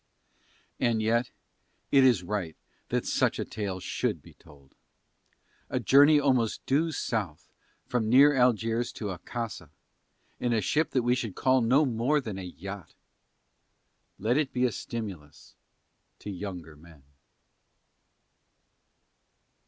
And yet it is right that such a tale should be told. A journey almost due South from near Algiers to Akassa in a ship that we should call no more than a yacht. Let it be a stimulus to younger men.